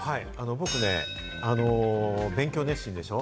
僕ね、勉強熱心でしょ？